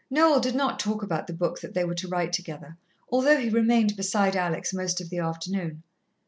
Noel did not talk about the book that they were to write together, although he remained beside Alex most of the afternoon.